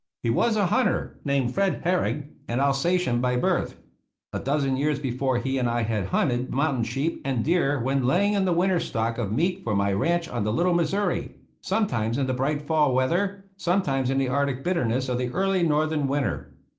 He was a hunter, named Fred Herrig, an Alsatian by birth. A dozen years before he and I had hunted mountain sheep and deer when lay ing in the winter stock of meat for my ranch on the Little Missouri, sometimes in the bright fall 26 I RAISING THE REGIMENT weather, sometimes in the Arctic bitterness of the early Northern winter.